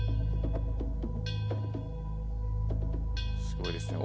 すごいですね。